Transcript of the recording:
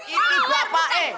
ini bapak eh